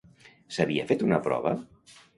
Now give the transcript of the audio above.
S'havia fet una prova?